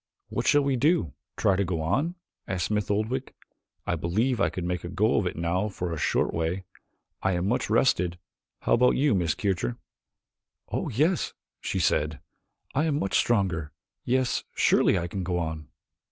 "What shall we do try to go on?" asked Smith Oldwick. "I believe I could make a go of it now for a short way. I am much rested. How about you Miss Kircher?" "Oh, yes," she said, "I am much stronger. Yes, surely I can go on."